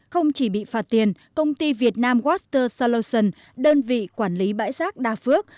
không chỉ bị phạt tiền công ty việt nam waster solutions đơn vị quản lý bãi rác đa phước